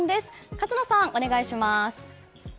勝野さん、お願いします。